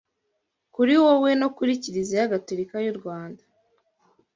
kuri wowe no kuri Kiliziya Gatolika y’u Rwanda